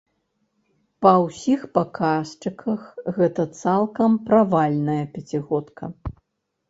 Па ўсіх паказчыках гэта цалкам правальная пяцігодка.